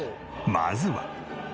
まずは。